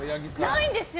ないんですよ。